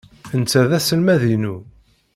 Netta d aselmad-inu.